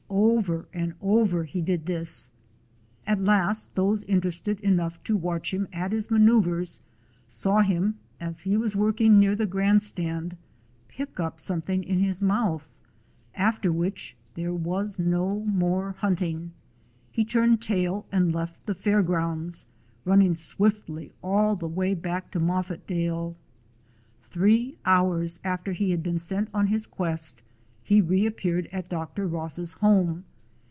Over and over he did this. At last those interested 133 DOG HEROES OF MANY LANDS enough to watch him at his manoeuvers saw him, as he was working near the grand stand, pick up something in his mouth, after which there was no more hunting. H e turned tail and left the fair grounds, running swiftly all the way back to Moffatdale. Three hours after he had been sent on his quest he reappeared at Dr. Ross's home.